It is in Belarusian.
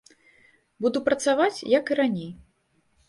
Буду працаваць, як і раней.